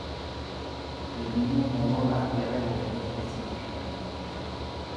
Del mismo modo la cría de bovinos es significativa.